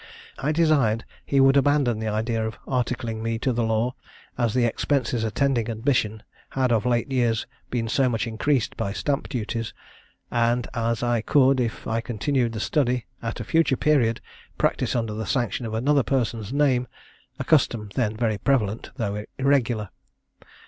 I desired he would abandon the idea of articling me to the law, as the expenses attending admission had of late years been so much increased by stamp duties; and as I could, if I continued the study, at a future period, practise under the sanction of another person's name; a custom then very prevalent, though irregular.